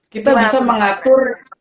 kita bisa mengatur